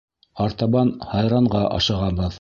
Артабан Һайранға ашығабыҙ.